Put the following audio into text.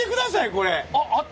これ。